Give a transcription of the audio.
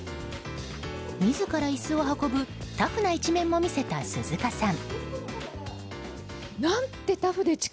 自ら椅子を運ぶタフな一面も見せた鈴鹿さん。